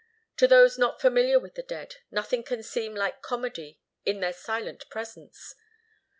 To those not familiar with the dead, nothing can seem like comedy in their silent presence.